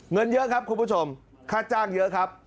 เงินเยอะครับคุณผู้ชมค่าจ้างเยอะครับ